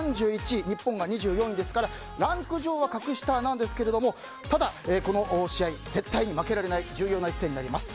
日本が２４位ですからランク上は格下なんですがただ、この試合絶対に負けられない重要な一戦になります。